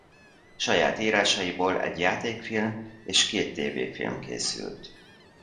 Saját írásaiból egy játékfilm és két tévéfilm készült.